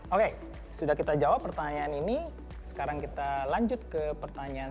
oke sudah kita jawab pertanyaan ini sekarang kita lanjut ke pertanyaan